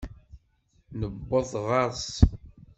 Niweḍ ɣer-s.